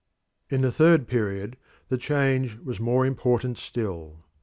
In the third period the change was more important still.